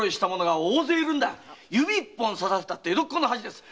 指一本差させたって江戸っ子の恥ですよ